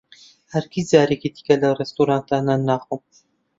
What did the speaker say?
ھەرگیز جارێکی دیکە لەو ڕێستورانتە نان ناخۆم.